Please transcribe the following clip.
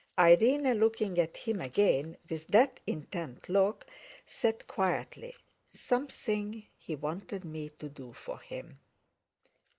Irene, looking at him again with that intent look, said quietly: "Something he wanted me to do for him!"